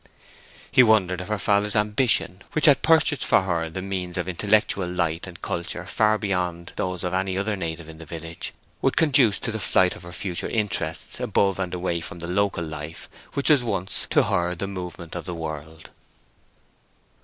He wondered if her father's ambition, which had purchased for her the means of intellectual light and culture far beyond those of any other native of the village, would conduce to the flight of her future interests above and away from the local life which was once to her the movement of the world.